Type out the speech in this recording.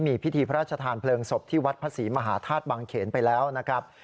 มีพิธีพระราชทานเพลิงศพที่วัดพระศรีมหาธาตุบังเขนไปแล้วนะครับ